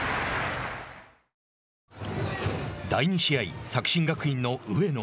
第２試合、作新学院の上野。